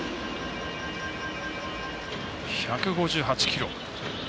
１５８キロ。